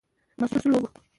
مسوول وبولو.